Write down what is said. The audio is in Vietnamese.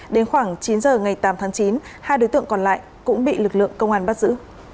đến khoảng chín giờ ngày tám tháng chín hai đối tượng còn lại cũng bị lực lượng công an bắt giữ